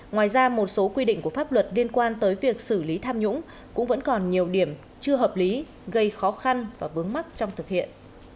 ngoài ra một số quy định của pháp luật liên quan tới việc xử lý tham nhũng cũng vẫn còn nhiều điểm chưa hợp lý gây khó khăn và vướng mắt trong thực hiện